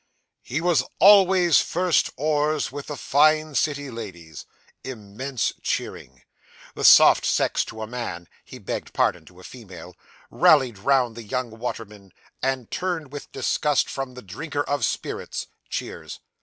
'He was always first oars with the fine city ladies.' (Immense cheering.) The soft sex to a man he begged pardon, to a female rallied round the young waterman, and turned with disgust from the drinker of spirits (cheers).